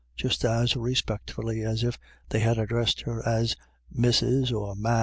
" just as respectfully as if they had addressed her as missis or mc?